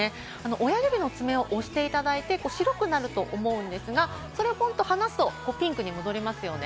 親指の爪を押していただいて、白くなると思うんですが、それをポンと離すとピンクに戻りますよね。